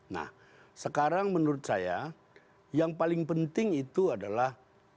nah sekarang menurut saya yang paling penting itu adalah